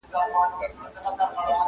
تازه هوا!!